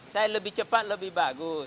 saya lebih cepat lebih bagus